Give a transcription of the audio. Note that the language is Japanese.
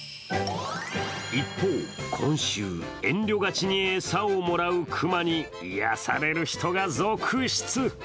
一方、今週、遠慮がちに餌をもらうクマに癒やされる人が続出。